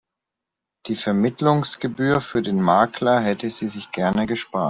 Die Vermittlungsgebühr für den Makler hätte sie sich gerne gespart.